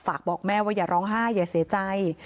ฝากบอกแม่ว่าอย่าร้องไห้อย่าเสียใจ